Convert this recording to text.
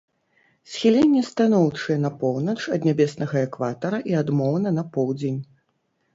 Схіленне станоўчае на поўнач ад нябеснага экватара і адмоўна на поўдзень.